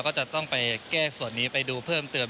ก็จะต้องไปแก้ส่วนนี้ไปดูเพิ่มเติม